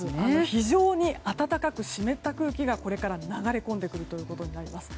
非常に暖かく湿った空気がこれから流れ込んでくることになります。